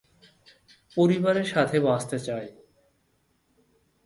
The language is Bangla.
পরিবারে সাথে বাঁচতে চাই।